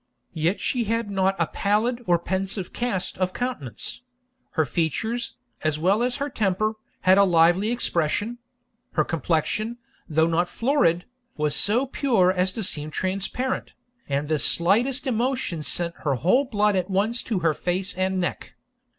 Yet she had not a pallid or pensive cast of countenance; her features, as well as her temper, had a lively expression; her complexion, though not florid, was so pure as to seem transparent, and the slightest emotion sent her whole blood at once to her face and neck.